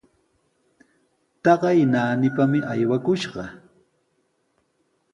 Taqay naanipami aywakushqa.